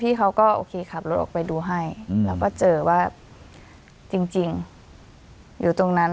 เขาก็โอเคขับรถออกไปดูให้แล้วก็เจอว่าจริงอยู่ตรงนั้น